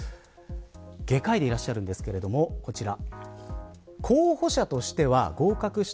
外科医でいらっしゃるんですけどこちら。